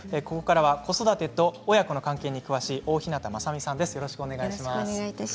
ここからは子育てと親子の関係に詳しい大日向雅美さんです。